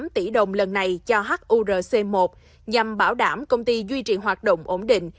hai trăm sáu mươi tám tỷ đồng lần này cho hurc một nhằm bảo đảm công ty duy trì hoạt động ổn định